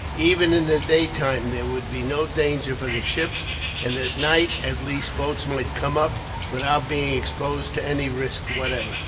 Even in the daytime there would be no danger for the ships; and at night, at least, boats might come up, without being exposed to any risk whatever."